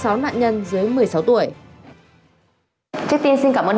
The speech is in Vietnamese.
trước tiên xin cảm ơn đồng chí đã trả lời phỏng vấn của truyền hình công an nhân dân